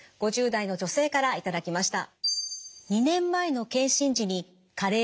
５０代の女性から頂きました。